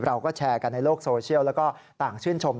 เราก็แชร์กันในโลกโซเชียลแล้วก็ต่างชื่นชม